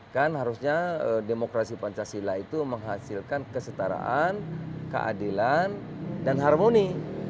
kan harusnya demokrasi pancasila itu menghasilkan kesetaraan keadilan dan harmoni